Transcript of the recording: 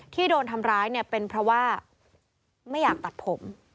ที่โดนทำร้ายเนี่ยเป็นเพราะว่าไม่อยากตัดผม